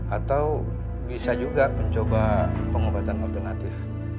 atau bisa juga mencoba pengobatan alternatif